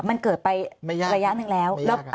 มันเกิดไประยะนึงแล้วไม่ยากครับ